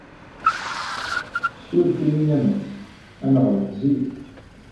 Ssuref-iyi a Mass. Ad neɣleq zik.